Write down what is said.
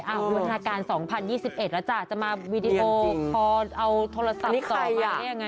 อ่ะอุณหาการ๒๐๒๑แล้วจ้ะจะมาวีดีโอคอเอาโทรศัพท์ต่อมาอะไรอย่างนี้